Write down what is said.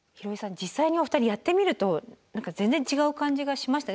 実際にお二人やってみると全然違う感じがしましたね。